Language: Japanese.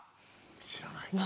知らない。